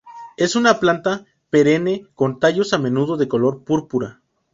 Es una planta perenne con tallos a menudo de color púrpura.